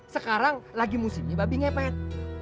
sekarang lagi musimnya babi ngepet